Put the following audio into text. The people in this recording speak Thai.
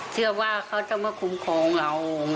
เชื่อว่าเขาจะมาคุ้มครองเรา